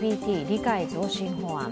理解増進法案。